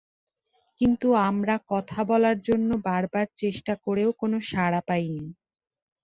কিন্তু আমরা কথা বলার জন্য বারবার চেষ্টা করেও কোনো সাড়া পাইনি।